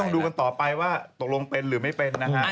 อ๋อก็ต้องดูกันต่อไปว่าตกลงเป็นหรือไม่เป็นนะครับ